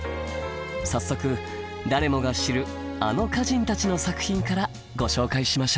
早速誰もが知るあの歌人たちの作品からご紹介しましょう。